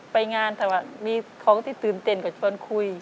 ไปงานแต่ว่ามีของที่ตื่นเต้นก็ชวนคุย